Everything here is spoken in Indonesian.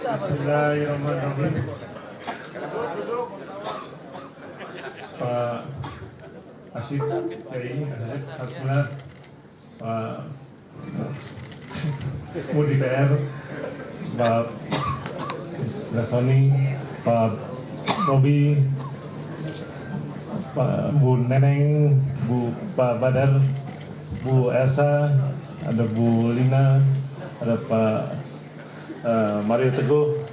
assalamu'alaikum warahmatullahi wabarakatuh